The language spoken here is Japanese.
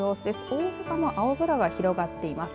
大阪も青空が広がっています。